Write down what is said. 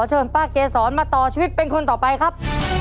เชิญป้าเกษรมาต่อชีวิตเป็นคนต่อไปครับ